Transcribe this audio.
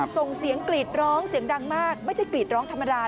ส่งเสียงกรีดร้องเสียงดังมากไม่ใช่กรีดร้องธรรมดา